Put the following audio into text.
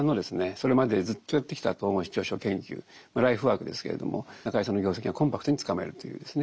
それまでずっとやってきた統合失調症研究ライフワークですけれども中井さんの業績がコンパクトにつかめるというですね